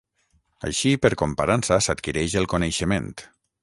Així per comparança s'adquireix el coneixement.